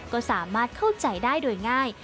ก็สามารถเข้าใจได้โดยง่าย